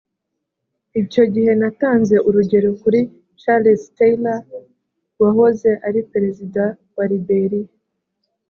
Icyo gihe natanze urugero kuri Charles Taylor wahoze ari Perezida wa Liberiya